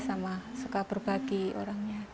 dan suka berbagi orangnya